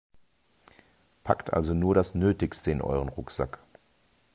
Packt also nur das Nötigste in euren Rucksack.